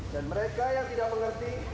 dan mereka yang tidak mengerti